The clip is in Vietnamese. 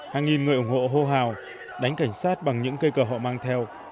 hàng nghìn người ủng hộ hô hào đánh cảnh sát bằng những cây cờ họ mang theo